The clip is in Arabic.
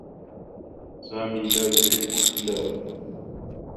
سامي لا يحبّ الكلاب.